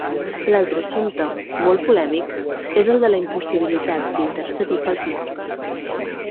L'altre assumpte, molt polèmic, és el de la impossibilitat d'intercedir pels morts.